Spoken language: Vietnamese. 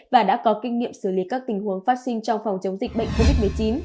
và đã có kinh nghiệm xử lý các tình huống phát sinh trong phòng chống dịch bệnh covid một mươi chín